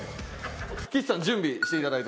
岸さん準備していただいて。